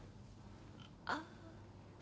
あっ。